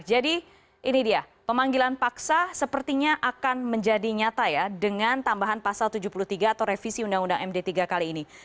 jadi ini dia pemanggilan paksa sepertinya akan menjadi nyata ya dengan tambahan pasal tujuh puluh tiga atau revisi undang undang md tiga kali ini